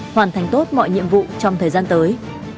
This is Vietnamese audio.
hoàn thành tốt mọi nhiệm vụ trong thời gian tới